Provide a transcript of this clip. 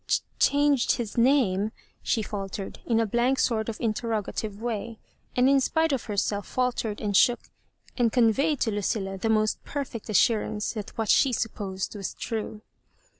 "Changed his name?" she faltered, in a blank sort of interrogative way ; and in spite of herself faltered and shook, and conveyed to Lucilla the most perfect assurance that what she supposed was trae.